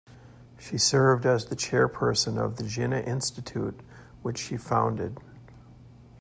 She served as the chairperson of the Jinnah Institute which she founded.